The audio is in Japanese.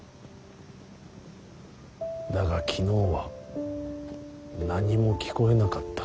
だが昨日は何も聞こえなかった。